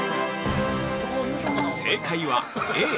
◆正解はＡ。